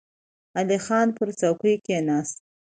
علی خان پر څوکۍ کېناست.